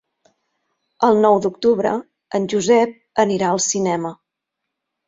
El nou d'octubre en Josep anirà al cinema.